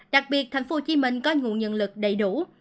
đặc biệt thành phố hồ chí minh có nguồn nhân lực đầy đủ